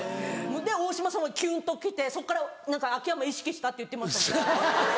で大島さんはキュンと来てそこから秋山意識したって言ってましたもん。